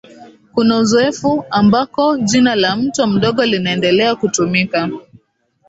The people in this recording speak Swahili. Kuna uzoefu ambako jina la mto mdogo linaendelea kutumika